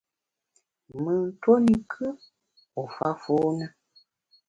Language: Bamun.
Mùn tuo ne kù, u fa fône.